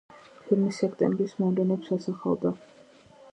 ფილმი სექტემბრის მოვლენებს ასახავდა.